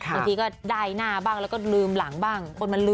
บางทีก็ได้หน้าบ้างแล้วก็ลืมหลังบ้างลืม